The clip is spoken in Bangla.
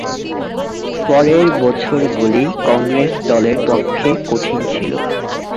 পরের বছরগুলি কংগ্রেস দলের পক্ষে কঠিন ছিল।